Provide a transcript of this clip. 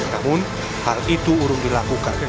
namun hal itu urung dilakukan